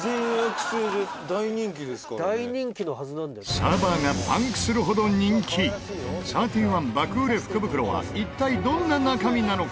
サーバーがパンクするほど人気３１爆売れ福袋は一体、どんな中身なのか？